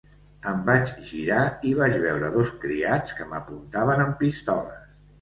Em vaig girar i vaig veure dos criats que m'apuntaven amb pistoles.